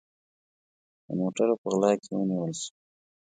د موټروپه غلا کې ونیول سو